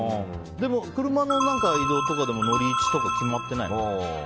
でも、車の移動とかでも乗り位置とか決まってないの？